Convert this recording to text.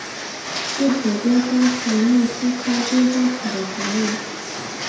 西蜀丁香是木犀科丁香属的植物。